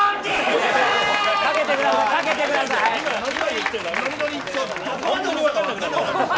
かけてください、早く。